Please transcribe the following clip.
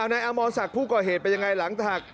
นายอำอศักดิ์ผู้ก่อเหตุเป็นอย่างไร